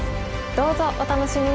どうぞお楽しみに！